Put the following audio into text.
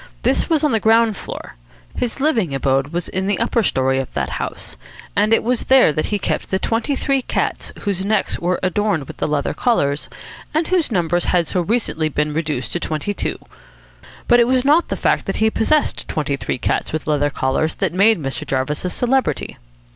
This was on the ground floor. His living abode was in the upper story of that house, and it was there that he kept the twenty three cats whose necks were adorned with leather collars, and whose numbers had so recently been reduced to twenty two. But it was not the fact that he possessed twenty three cats with leather collars that made Mr. Jarvis a celebrity.